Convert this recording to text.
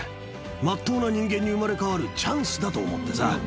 全うな人間に生まれ変われるチャンスだと思ってさ。